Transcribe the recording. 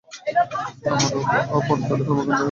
আর অপর দলের কমান্ডার খালিদ নিজে।